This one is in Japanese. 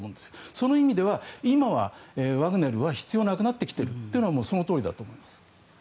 その意味では、今はワグネルは必要がなくなってきているというのはそのとおりだと思います。